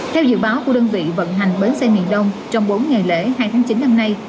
theo dự báo của đơn vị vận hành bến xe miền đông trong bốn ngày lễ hai tháng chín năm nay